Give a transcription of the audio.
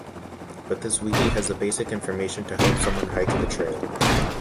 But this wiki has the basic information to help someone hike the trail.